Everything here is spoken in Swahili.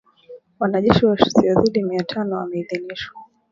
Wanajeshi wasiozidi mia tano wameidhinishwa